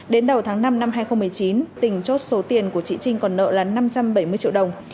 đến đầu tháng năm năm hai nghìn một mươi chín tỉnh chốt số tiền của chị trinh còn nợ là năm trăm bảy mươi triệu đồng